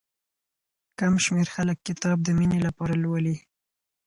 کم شمېر خلک کتاب د مينې لپاره لولي.